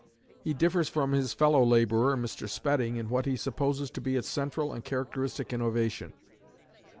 He differs from his fellow labourer Mr. Spedding, in what he supposes to be its central and characteristic innovation.